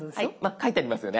書いてありますよね。